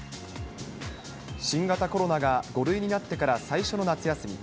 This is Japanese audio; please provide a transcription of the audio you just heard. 新型コロナが５類になってから最初の夏休み。